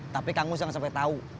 tapi kamu jangan sampai tahu